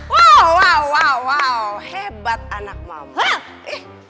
wow hebat anak mamah